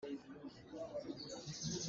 Rawl lo in ni khat an ka reem.